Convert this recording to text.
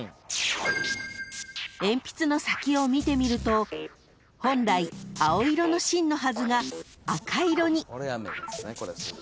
［鉛筆の先を見てみると本来青色の芯のはずが赤色に］